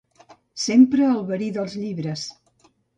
Sempre el verí dels llibres.